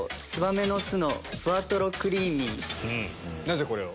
なぜこれを？